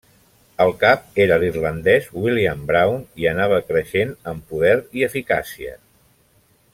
El cap era l'irlandès William Brown, i anava creixent en poder i eficàcia.